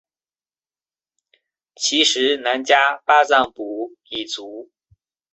其时喃迦巴藏卜已卒。